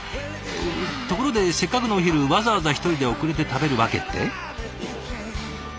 ところでせっかくのお昼わざわざ１人で遅れて食べる訳って？